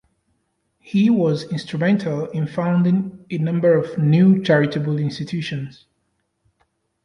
He was instrumental in founding a number of new charitable institutions.